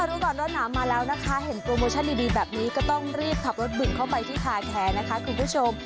รู้ก่อนร้อนหนาวมาแล้วนะคะเห็นโปรโมชั่นดีแบบนี้ก็ต้องรีบขับรถบึงเข้าไปที่คาแท้นะคะคุณผู้ชม